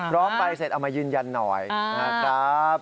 ร้องใบเสร็จเอามายืนยันหน่อยนะครับ